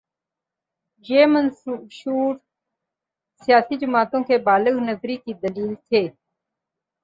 یہ منشور سیاسی جماعتوں کی بالغ نظری کی دلیل تھے۔